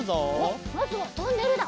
まずはトンネルだ。